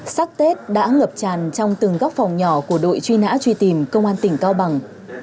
sắc tết đã ngập tràn trong từng góc phòng nhỏ của đội truy nã truy tìm công an tỉnh cao bằng